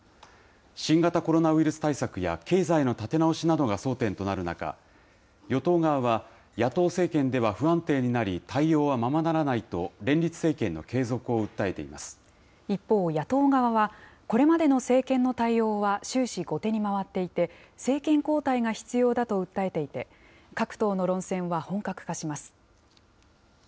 新型コロナウイルス対策や、経済の立て直しなどが争点となる中、与党側は野党政権では不安定になり、対応はままならないと、一方、野党側は、これまでの政権の対応は終始後手に回っていて、政権交代が必要だと訴えていて、各党の論戦は本格化します。